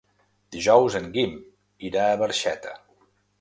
Dijous en Guim irà a Barxeta.